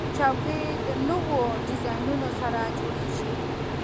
چوکۍ د نوو ډیزاینونو سره جوړیږي.